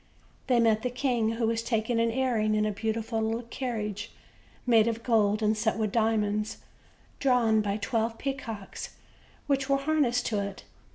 They met the king, who was taking an airing in a beautiful little carriage made of gold and set with diamonds, drawn by twelve peacocks, which were harnessed to it.